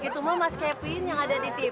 oh gitu mau mas kevin yang ada di tv atau